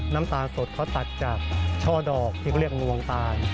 น้ำตาลสดเขาตัดจากช่อดอกที่เขาเรียกงวงตาล